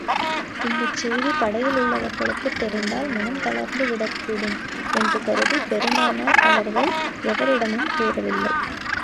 இந்தச் செய்தி படையிலுள்ளவர்களுக்குத் தெரிந்தால், மனம் தளர்ந்து விடக் கூடும் என்று கருதி பெருமானார் அவர்கள் எவரிடமும் கூறவில்லை.